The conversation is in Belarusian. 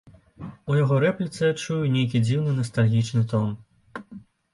У яго рэпліцы я чую нейкі дзіўны настальгічны тон.